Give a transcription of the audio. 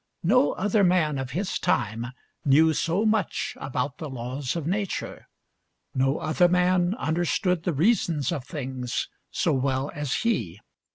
No other man of his time knew so much about the laws of nature; no other man understood the reasons of things so well as he.